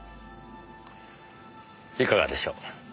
いかがでしょう。